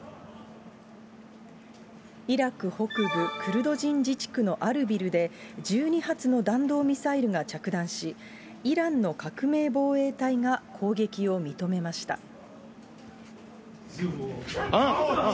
イラク北部クルド人自治区のアルビルで、１２発の弾道ミサイルが着弾し、イランの革命防衛隊が攻撃を認めました。